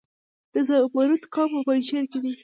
د زمرد کان په پنجشیر کې دی